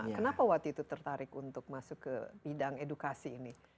kenapa waktu itu tertarik untuk masuk ke bidang edukasi ini